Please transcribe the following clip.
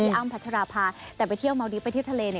อ้ำพัชราภาแต่ไปเที่ยวเมาดีฟไปเที่ยวทะเลเนี่ย